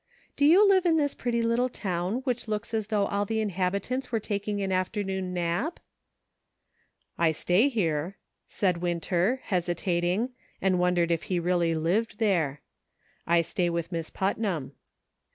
" Do you live in this pretty little town, which looks as though all the inhabitants were taking an afternoon nap ?"" I stay here," said Winter, hesitating, and won dering if he really lived there. " I stay with Miss Putnam."